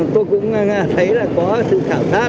tôi cũng thấy là có sự khảo sát